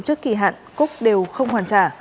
trước kỳ hạn cúc đều không hoàn trả